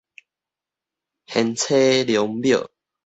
賢妻良母